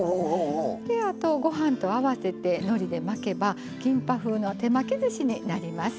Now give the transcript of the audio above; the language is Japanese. あとはご飯と合わせて、のりで巻けばキンパ風の手巻きずしになります。